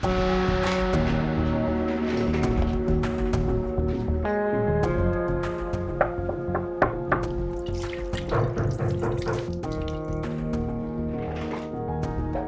aku benar benar men carnivore